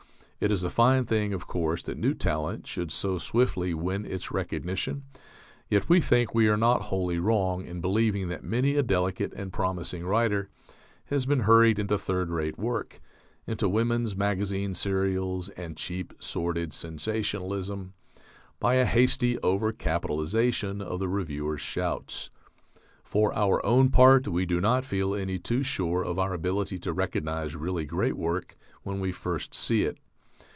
It is a fine thing, of course, that new talent should so swiftly win its recognition; yet we think we are not wholly wrong in believing that many a delicate and promising writer has been hurried into third rate work, into women's magazine serials and cheap sordid sensationalism, by a hasty overcapitalization of the reviewer's shouts. For our own part, we do not feel any too sure of our ability to recognize really great work when we first see it.